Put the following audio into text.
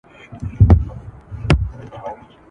هم په سپیو کي د کلي وو غښتلی ..